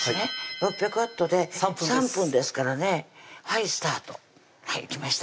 ６００Ｗで３分ですからねはいスタートいきました